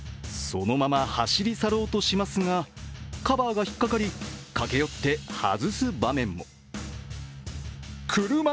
そのまま走り去ろうとしますが、カバーが引っかかり、駆け寄って外す場面も。